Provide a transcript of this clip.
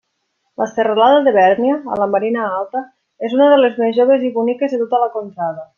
La serralada de Bèrnia, a la Marina Alta, és una de les més joves i boniques de tota la contrada.